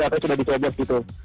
atau sudah di choose gitu